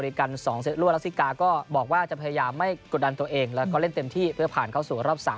แล้วก็พยายามทำให้เต็มที่ครับ